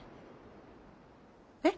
え？